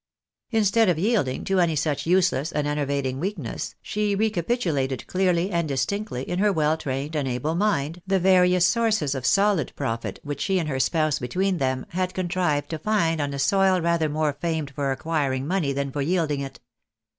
Instead of yielding to any such useless and enervating weakness, she recapitulated clearly and distinctly in her well trained and able mind, the various sou'^ces of solid profit which she MRS. BAUNABY'S XOTION OF TIIE VALUE OF MONEY, 271 and lier spouse between them had contrived to find on a soil rather more famed for acquiring money than for yielding it.